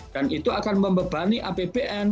dan itu akan membebani apbn